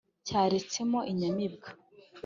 Cyaretsemo inyamibwa